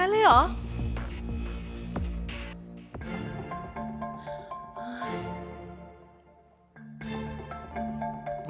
เลยเหรอ